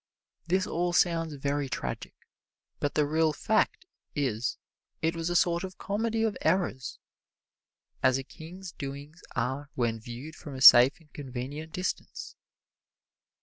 This all sounds very tragic, but the real fact is it was a sort of comedy of errors as a king's doings are when viewed from a safe and convenient distance.